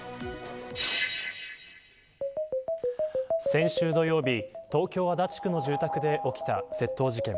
先週土曜日東京、足立区の住宅街で起きた窃盗事件。